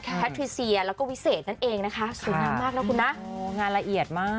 ค่ะแล้วก็วิเศษนั่นเองนะคะค่ะสวยงามมากแล้วคุณนะอ๋องานละเอียดมาก